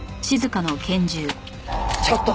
ちょっと！